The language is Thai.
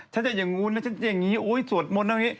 ฉันจะอย่างงูนะฉันจะอย่างงี้โอ้ยสวดมนต์